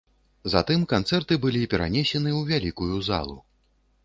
Затым канцэрты былі перанесены ў вялікую залу.